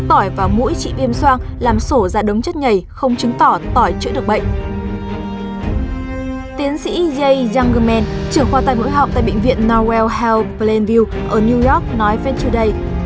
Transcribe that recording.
tiến sĩ jay youngman trưởng khoa tài mũi họng tại bệnh viện norwell health plainview ở new york nói phép trừ đây